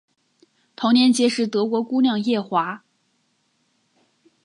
同年结识德国姑娘叶华。